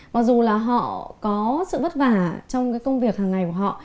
mặc dù là họ có sự vất vả trong cái công việc hàng ngày của họ